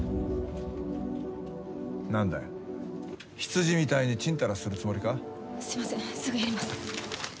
何だよ羊みたいにちんたらするつもりすいませんすぐやります。